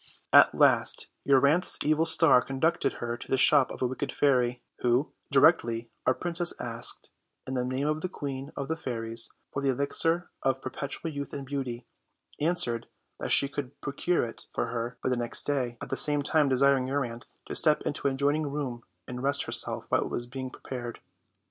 At last Euryanthe's evil star conducted her to the shop of a wicked fairy, who, directly our princess asked, in the name of the Queen of the Fairies, for the elixir of per petual youth and beauty, answered that 'she could pro cure it for her by the next day, at the same time desiring Euryanthe to step into an adjoining room and rest her self while it was being prepared.